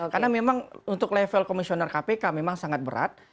karena memang untuk level komisioner kpk memang sangat berat